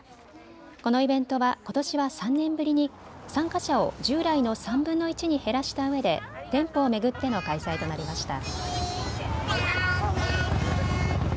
このイベントはことしは３年ぶりに参加者を従来の３分の１に減らしたうえで店舗を巡っての開催となりました。